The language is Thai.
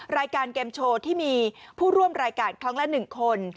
รายการเกมโชว์ที่มีผู้ร่วมรายการครั้งละ๑คน